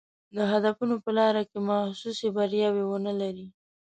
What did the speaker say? د هدفونو په لاره کې محسوسې بریاوې ونه لري.